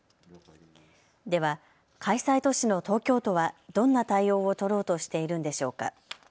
では開催都市の東京都はどんな対応を取ろうとしているんでしょうか。